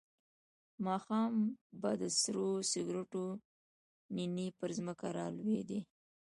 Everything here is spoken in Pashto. ماښام به د سرو سکروټو نینې پر ځمکه را لوېدې.